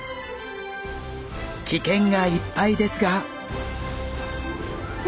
危険がいっぱいですが。